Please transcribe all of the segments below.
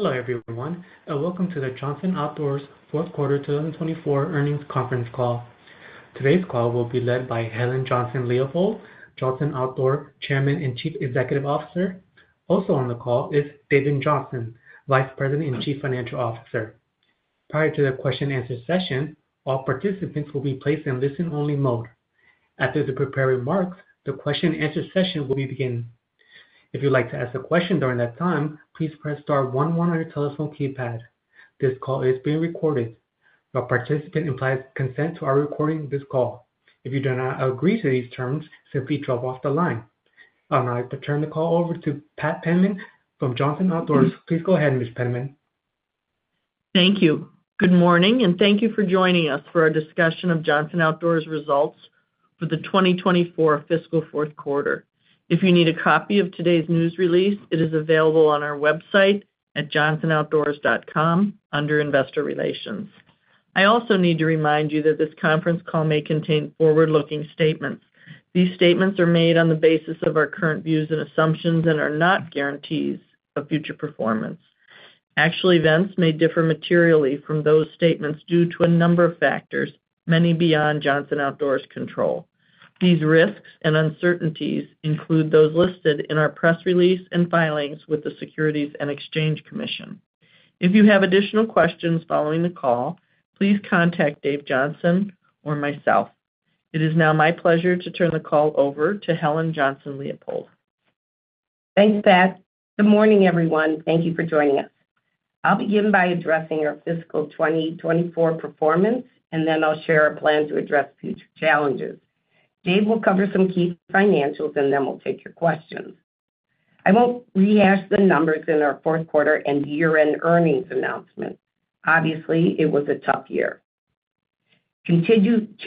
Hello, everyone, and welcome to the Johnson Outdoors Fourth Quarter 2024 Earnings Conference Call. Today's call will be led by Helen Johnson-Leipold, Johnson Outdoors Chairman and Chief Executive Officer. Also on the call is David Johnson, Vice President and Chief Financial Officer. Prior to the question-and-answer session, all participants will be placed in listen-only mode. After the prepared remarks, the question-and-answer session will begin. If you'd like to ask a question during that time, please press star 11 on your telephone keypad. This call is being recorded. Your participation implies consent to our recording of this call. If you do not agree to these terms, simply drop off the line. I'll now turn the call over to Pat Penman from Johnson Outdoors. Please go ahead, Ms. Penman. Thank you. Good morning, and thank you for joining us for our discussion of Johnson Outdoors' results for the 2024 fiscal fourth quarter. If you need a copy of today's news release, it is available on our website at johnsonoutdoors.com under Investor Relations. I also need to remind you that this conference call may contain forward-looking statements. These statements are made on the basis of our current views and assumptions and are not guarantees of future performance. Actual events may differ materially from those statements due to a number of factors, many beyond Johnson Outdoors' control. These risks and uncertainties include those listed in our press release and filings with the Securities and Exchange Commission. If you have additional questions following the call, please contact Dave Johnson or myself. It is now my pleasure to turn the call over to Helen Johnson-Leipold. Thanks, Pat. Good morning, everyone. Thank you for joining us. I'll begin by addressing our fiscal 2024 performance, and then I'll share our plan to address future challenges. Dave will cover some key financials, and then we'll take your questions. I won't rehash the numbers in our fourth quarter and year-end earnings announcements. Obviously, it was a tough year. Continued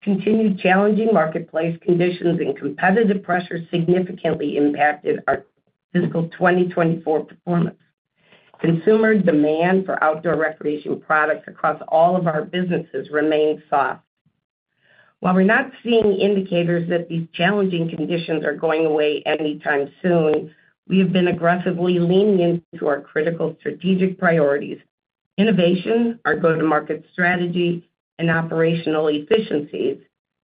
challenging marketplace conditions and competitive pressure significantly impacted our fiscal 2024 performance. Consumer demand for outdoor recreation products across all of our businesses remained soft. While we're not seeing indicators that these challenging conditions are going away anytime soon, we have been aggressively leaning into our critical strategic priorities: innovation, our go-to-market strategy, and operational efficiencies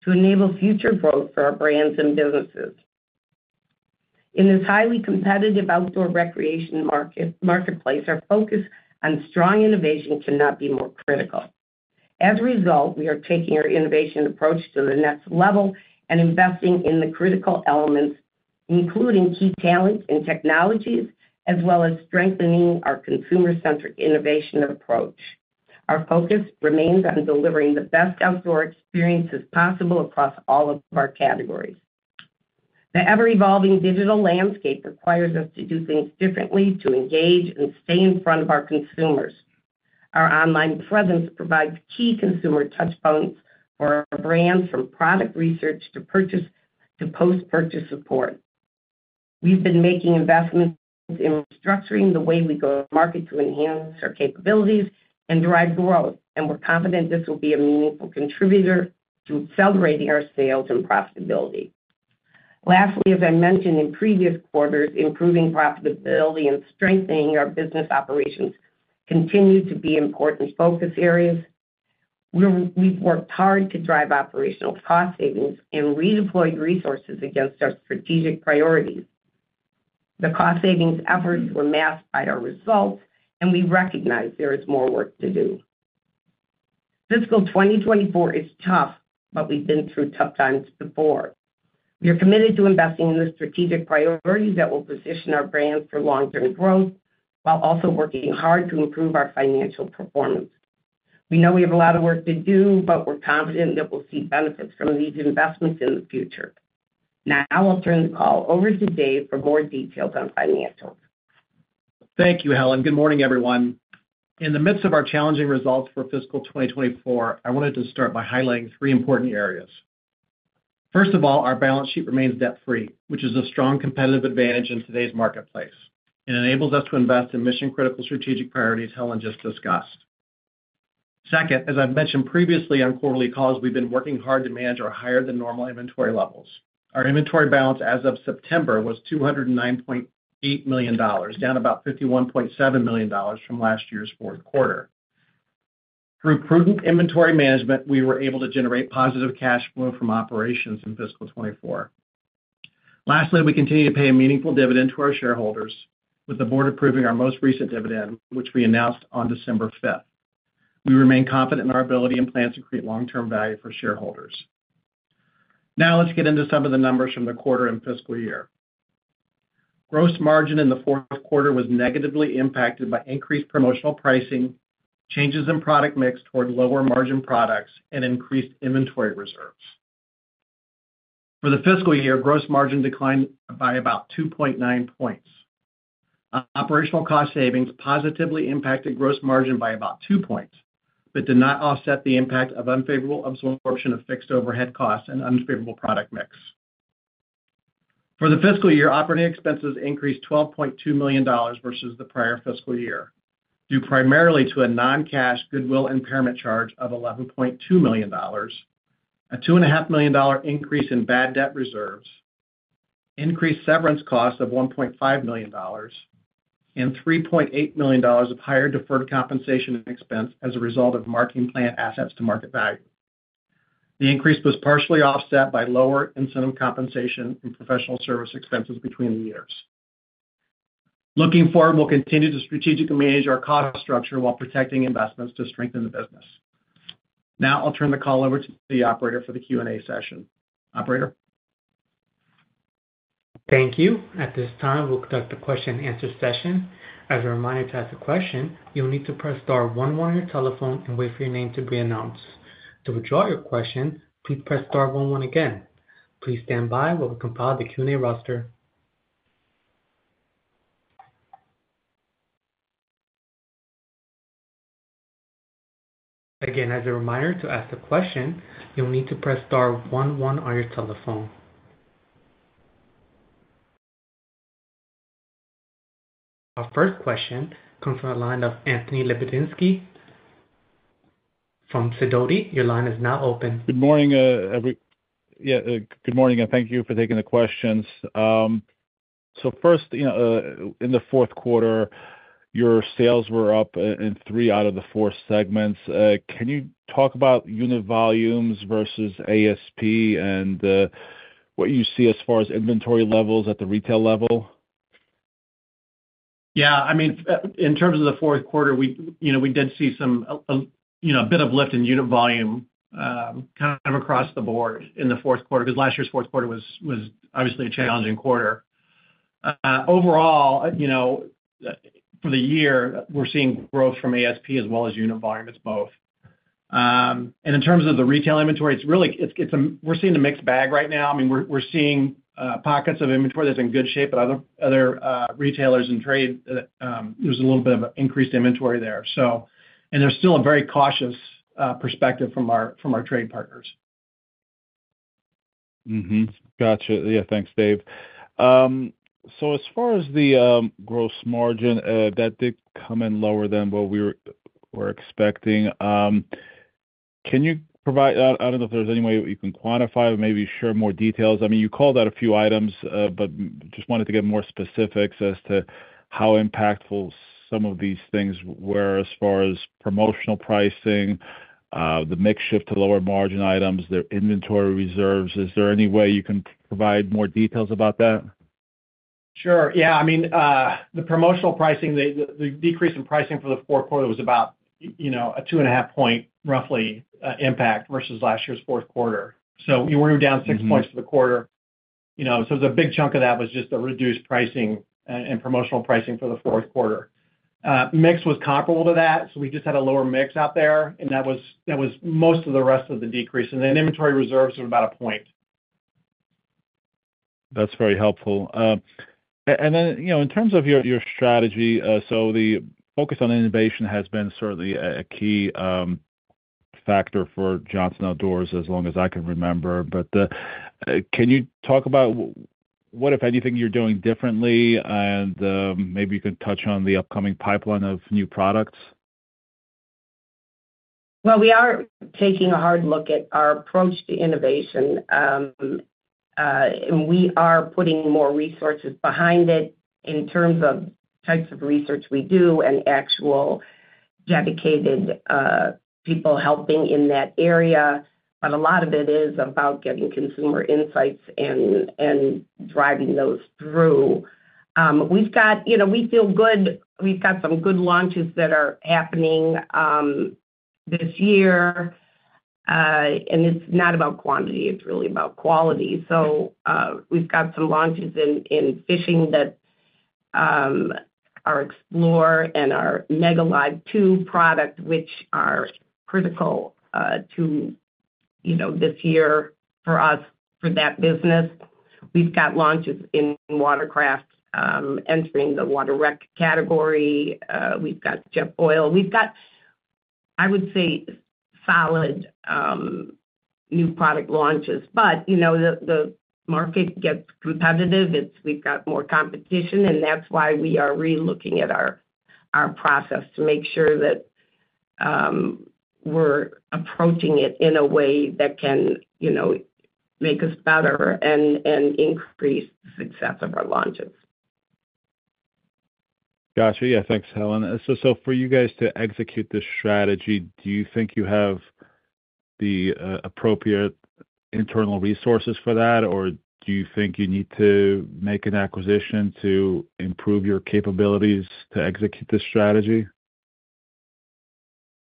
to enable future growth for our brands and businesses. In this highly competitive outdoor recreation marketplace, our focus on strong innovation cannot be more critical. As a result, we are taking our innovation approach to the next level and investing in the critical elements, including key talents and technologies, as well as strengthening our consumer-centric innovation approach. Our focus remains on delivering the best outdoor experiences possible across all of our categories. The ever-evolving digital landscape requires us to do things differently to engage and stay in front of our consumers. Our online presence provides key consumer touchpoints for our brands, from product research to purchase to post-purchase support. We've been making investments in restructuring the way we go to market to enhance our capabilities and drive growth, and we're confident this will be a meaningful contributor to accelerating our sales and profitability. Lastly, as I mentioned in previous quarters, improving profitability and strengthening our business operations continue to be important focus areas. We've worked hard to drive operational cost savings and redeployed resources against our strategic priorities. The cost savings efforts were masked by our results, and we recognize there is more work to do. Fiscal 2024 is tough, but we've been through tough times before. We are committed to investing in the strategic priorities that will position our brands for long-term growth while also working hard to improve our financial performance. We know we have a lot of work to do, but we're confident that we'll see benefits from these investments in the future. Now I'll turn the call over to Dave for more details on financials. Thank you, Helen. Good morning, everyone. In the midst of our challenging results for fiscal 2024, I wanted to start by highlighting three important areas. First of all, our balance sheet remains debt-free, which is a strong competitive advantage in today's marketplace. It enables us to invest in mission-critical strategic priorities Helen just discussed. Second, as I've mentioned previously on quarterly calls, we've been working hard to manage our higher-than-normal inventory levels. Our inventory balance as of September was $209.8 million, down about $51.7 million from last year's fourth quarter. Through prudent inventory management, we were able to generate positive cash flow from operations in fiscal 2024. Lastly, we continue to pay a meaningful dividend to our shareholders, with the board approving our most recent dividend, which we announced on December 5th. We remain confident in our ability and plans to create long-term value for shareholders. Now let's get into some of the numbers from the quarter and fiscal year. Gross margin in the fourth quarter was negatively impacted by increased promotional pricing, changes in product mix toward lower margin products, and increased inventory reserves. For the fiscal year, gross margin declined by about 2.9 points. Operational cost savings positively impacted gross margin by about two points but did not offset the impact of unfavorable absorption of fixed overhead costs and unfavorable product mix. For the fiscal year, operating expenses increased $12.2 million versus the prior fiscal year due primarily to a non-cash goodwill impairment charge of $11.2 million, a $2.5 million increase in bad debt reserves, increased severance costs of $1.5 million, and $3.8 million of higher deferred compensation expense as a result of marking plan assets to market value. The increase was partially offset by lower incentive compensation and professional service expenses between the years. Looking forward, we'll continue to strategically manage our cost structure while protecting investments to strengthen the business. Now I'll turn the call over to the operator for the Q&A session. Operator. Thank you. At this time, we'll conduct the question-and-answer session. As a reminder to ask a question, you'll need to press star 11 on your telephone and wait for your name to be announced. To withdraw your question, please press star 11 again. Please stand by while we compile the Q&A roster. Again, as a reminder to ask a question, you'll need to press star 11 on your telephone. Our first question comes from the line of Anthony Lebiedzinski from Sidoti. Your line is now open. Good morning. Yeah, good morning, and thank you for taking the questions. So first, in the fourth quarter, your sales were up in three out of the four segments. Can you talk about unit volumes versus ASP and what you see as far as inventory levels at the retail level? Yeah. I mean, in terms of the fourth quarter, we did see a bit of lift in unit volume kind of across the board in the fourth quarter because last year's fourth quarter was obviously a challenging quarter. Overall, for the year, we're seeing growth from ASP as well as unit volume. It's both. And in terms of the retail inventory, we're seeing a mixed bag right now. I mean, we're seeing pockets of inventory that's in good shape, but other retailers and trade, there's a little bit of increased inventory there. And there's still a very cautious perspective from our trade partners. Gotcha. Yeah, thanks, Dave. So as far as the gross margin, that did come in lower than what we were expecting. Can you provide, I don't know if there's any way you can quantify or maybe share more details. I mean, you called out a few items, but just wanted to get more specifics as to how impactful some of these things were as far as promotional pricing, the mix shift to lower margin items, their inventory reserves. Is there any way you can provide more details about that? Sure. Yeah. I mean, the promotional pricing, the decrease in pricing for the fourth quarter was about a 2.5-point, roughly, impact versus last year's fourth quarter. So we were down six points for the quarter. So a big chunk of that was just the reduced pricing and promotional pricing for the fourth quarter. Mix was comparable to that, so we just had a lower mix out there, and that was most of the rest of the decrease. And then inventory reserves were about a point. That's very helpful. And then in terms of your strategy, so the focus on innovation has been certainly a key factor for Johnson Outdoors as long as I can remember. But can you talk about what, if anything, you're doing differently? And maybe you can touch on the upcoming pipeline of new products. We are taking a hard look at our approach to innovation, and we are putting more resources behind it in terms of types of research we do and actual dedicated people helping in that area, but a lot of it is about getting consumer insights and driving those through. We feel good. We've got some good launches that are happening this year, and it's not about quantity. It's really about quality, so we've got some launches in fishing that our Quest and our MEGA Live 2 product, which are critical to this year for us for that business. We've got launches in watercraft entering the water recreation category. We've got Jetboil. We've got, I would say, solid new product launches, but the market gets competitive. We've got more competition, and that's why we are relooking at our process to make sure that we're approaching it in a way that can make us better and increase the success of our launches. Gotcha. Yeah. Thanks, Helen. So for you guys to execute this strategy, do you think you have the appropriate internal resources for that, or do you think you need to make an acquisition to improve your capabilities to execute this strategy?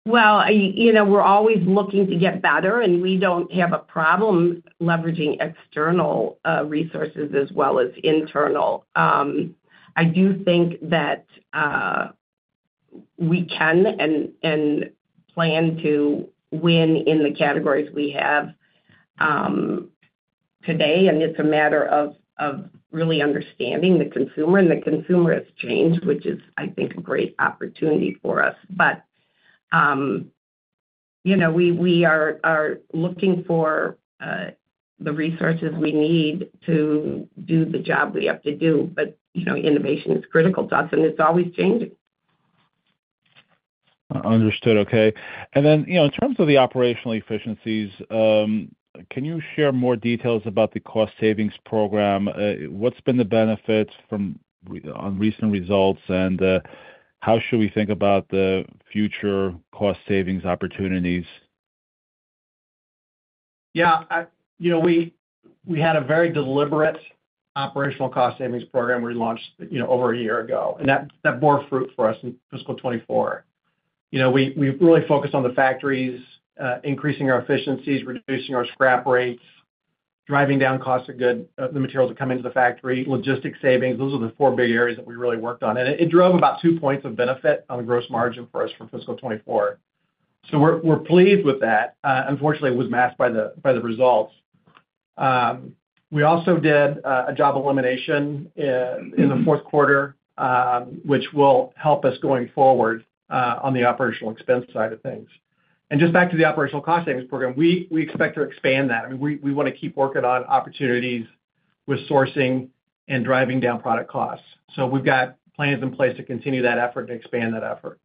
We're always looking to get better, and we don't have a problem leveraging external resources as well as internal. I do think that we can and plan to win in the categories we have today, and it's a matter of really understanding the consumer, and the consumer has changed, which is, I think, a great opportunity for us. But we are looking for the resources we need to do the job we have to do, but innovation is critical to us, and it's always changing. Understood. Okay. And then in terms of the operational efficiencies, can you share more details about the cost savings program? What's been the benefits on recent results, and how should we think about the future cost savings opportunities? Yeah. We had a very deliberate operational cost savings program we launched over a year ago, and that bore fruit for us in Fiscal 2024. We really focused on the factories, increasing our efficiencies, reducing our scrap rates, driving down costs of the materials that come into the factory, logistics savings. Those are the four big areas that we really worked on. And it drove about two points of benefit on the gross margin for us for Fiscal 2024. So we're pleased with that. Unfortunately, it was masked by the results. We also did a job elimination in the fourth quarter, which will help us going forward on the operational expense side of things. And just back to the operational cost savings program, we expect to expand that. I mean, we want to keep working on opportunities with sourcing and driving down product costs. So we've got plans in place to continue that effort and expand that effort.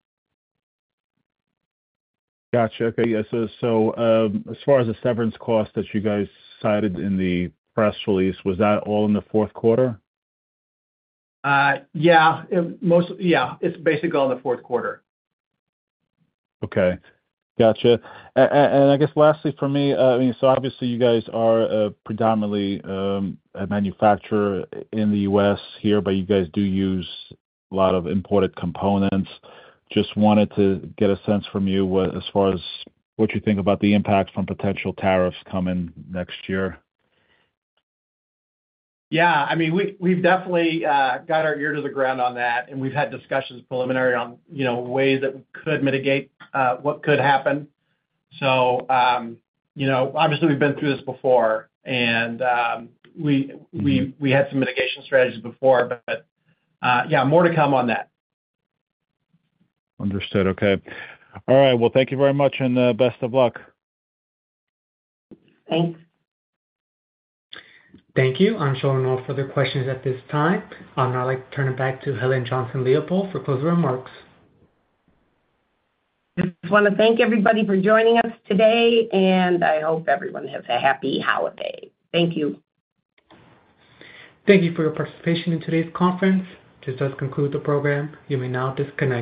Gotcha. Okay. Yeah. So as far as the severance cost that you guys cited in the press release, was that all in the fourth quarter? Yeah. Yeah. It's basically all in the fourth quarter. Okay. Gotcha. And I guess lastly for me, I mean, so obviously you guys are predominantly a manufacturer in the U.S. here, but you guys do use a lot of imported components. Just wanted to get a sense from you as far as what you think about the impact from potential tariffs coming next year. Yeah. I mean, we've definitely got our ear to the ground on that, and we've had discussions preliminary on ways that we could mitigate what could happen. So obviously, we've been through this before, and we had some mitigation strategies before, but yeah, more to come on that. Understood. Okay. All right. Well, thank you very much, and best of luck. Thanks. Thank you. I'm showing no further questions at this time. I'll now like to turn it back to Helen Johnson-Leipold for closing remarks. I just want to thank everybody for joining us today, and I hope everyone has a happy holiday. Thank you. Thank you for your participation in today's conference. Just as we conclude the program, you may now disconnect.